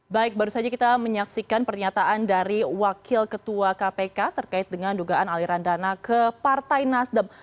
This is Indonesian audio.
baik baru saja kita menyaksikan pernyataan dari wakil ketua kpk terkait dengan dugaan aliran dana ke partai nasdem